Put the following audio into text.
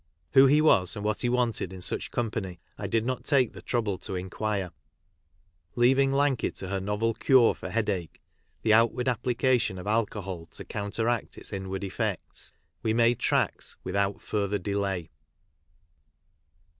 Who he was and what he wanted in such company, I did not take the trouble to inquire. Leaving Lanky to her novel cure for headache — the outward application of alcohol to counteract its inward effects — we made tracks without further delay.